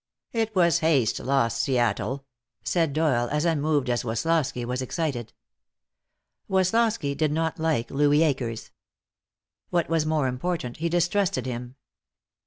"It was haste lost Seattle," said Doyle, as unmoved as Woslosky was excited. Woslosky did not like Louis Akers. What was more important, he distrusted him.